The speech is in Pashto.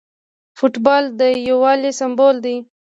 فوټبال د یووالي سمبول دی.